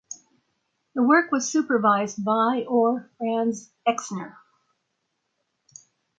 The work was supervised by or Franz Exner.